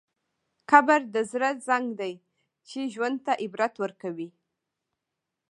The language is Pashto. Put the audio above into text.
قبر د زړه زنګ دی چې ژوند ته عبرت ورکوي.